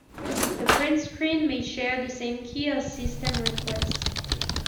The print screen may share the same key as system request.